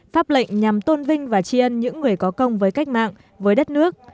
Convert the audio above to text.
pháp lệnh nhằm tôn vinh và tri ân những người có công với cách mạng với đất nước